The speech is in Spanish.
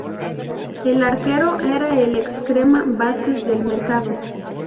El arquero era el ex-crema, Vázquez del Mercado.